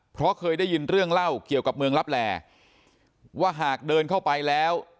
เพราะเคยได้ยินเรื่องเล่าเกี่ยวกับเมืองลับแลว่าหากเดินเข้าไปแล้ว